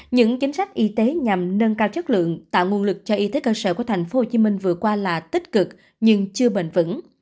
những chính sách y tế nhằm nâng cao chất lượng tạo nguồn lực cho y tế cơ sở của tp hcm vừa qua là tích cực nhưng chưa bền vững